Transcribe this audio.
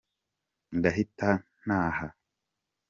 Ndahita ntaha.